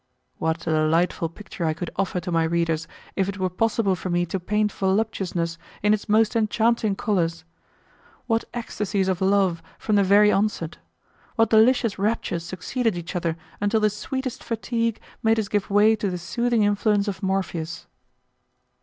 What a delightful picture I could offer to my readers if it were possible for me to paint voluptuousness in its most enchanting colours! What ecstasies of love from the very onset! What delicious raptures succeed each other until the sweetest fatigue made us give way to the soothing influence of Morpheus!